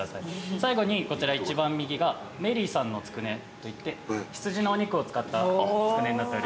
最後にこちら一番右がメリーさんのつくねといって羊のお肉を使ったつくねになっております。